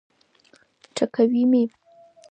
ټکوي مي.